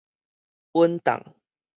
穩當